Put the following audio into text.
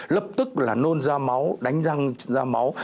lập tức là nôn ra máu đánh răng ra máu